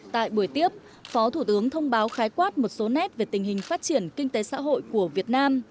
tại buổi tiếp phó thủ tướng thông báo khái quát một số nét về tình hình phát triển kinh tế xã hội của việt nam